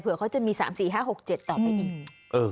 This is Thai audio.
เผื่อเขาจะมีสามสี่ห้าหกเจ็ดต่อไปอีก